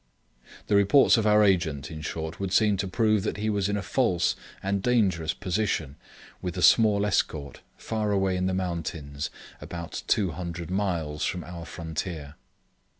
The reports of our Agent, in short, would seem to prove that he was in a false and dangerous position, with a small escort, far away in the mountains, about 200 miles from our frontier.